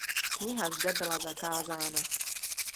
Kniha zde byla zakázána.